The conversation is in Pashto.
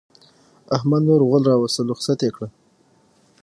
احمد نور غول راوستل؛ رخصت يې کړه.